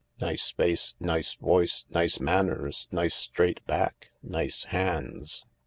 " "Nice face, nice voice, nice manners, nice straight back, nice hands."